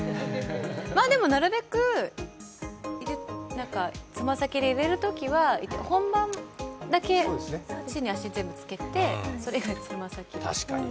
でも、なるべく、つま先でいれるときは本番だけ、地に、足を全部つけてそれ以外、爪先確かに。